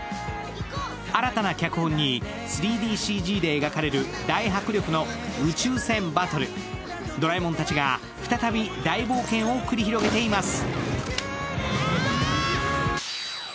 新たな脚本に３ＤＣＧで描かれる大迫力の宇宙船バトル、ドラえもんたちが再び大冒険を繰り広げています。